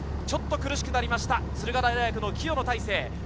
ちょっと苦しくなりました、駿河台大学の清野太成。